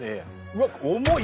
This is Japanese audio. うわっ重い！